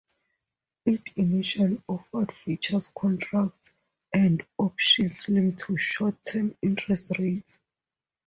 It initially offered futures contracts and options linked to short-term interest rates.